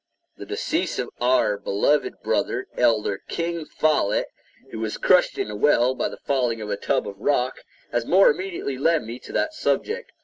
The decease of our beloved brother, Elder King Follett, who was crushed in a well by the falling of a tub of rock, has more immediately led me to that subject.